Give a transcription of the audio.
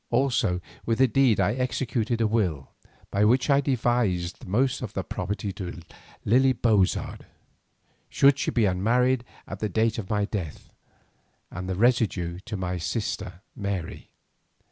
Also with the deed I executed a will by which I devised the most of my property to Lily Bozard should she be unmarried at the date of my death, and the residue to my sister Mary.